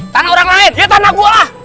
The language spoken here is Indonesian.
tanah orang lain ya tanah gue lah